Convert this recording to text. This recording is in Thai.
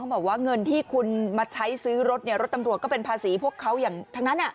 บอกว่าเงินที่คุณมาใช้ซื้อรถรถตำรวจก็เป็นภาษีพวกเขาอย่างทั้งนั้น